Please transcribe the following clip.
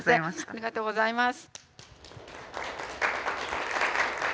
ありがとうございます。